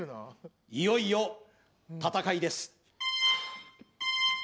いよいよ戦いです